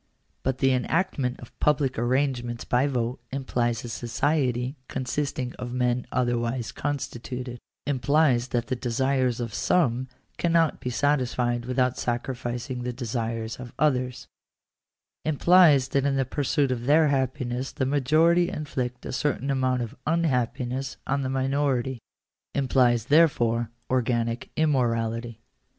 But the enactment of public arrangements by vote implies a society consisting of men otherwise constituted — implies that the desires of some cannot be satisfied without sacrificing the desires of others — implies that in the pursuit of their happiness the majority inflict a certain amount of f/ahap piness on the minority — implies, therefore, organic immorality.